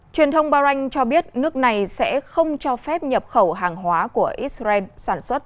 truyền thông bahrain cho biết nước này sẽ không cho phép nhập khẩu hàng hóa của israel sản xuất